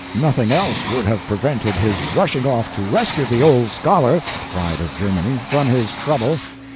Nothing else would have prevented his rushing off to rescue the old scholar, the pride of Germany, from his trouble.